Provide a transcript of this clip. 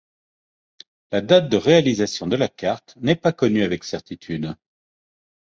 La date de réalisation de la carte n'est pas connue avec certitude.